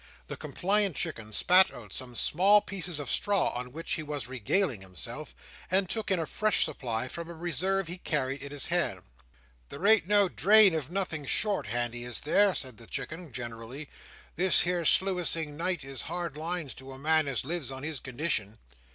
The compliant Chicken spat out some small pieces of straw on which he was regaling himself, and took in a fresh supply from a reserve he carried in his hand. "There ain't no drain of nothing short handy, is there?" said the Chicken, generally. "This here sluicing night is hard lines to a man as lives on his condition."